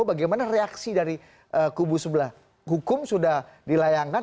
bagaimana reaksi dari kubu sebelah hukum sudah dilayangkan